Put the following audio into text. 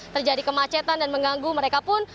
terjadi kemacetan dan mengganggu mereka pun